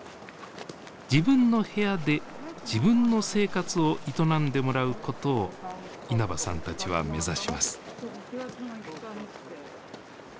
自分の部屋で自分の生活を営んでもらうことを稲葉さんたちは目指します。